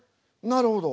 なるほど。